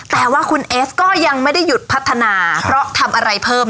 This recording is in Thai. แต่ว่าคุณเอสก็ยังไม่ได้หยุดพัฒนาเพราะทำอะไรเพิ่ม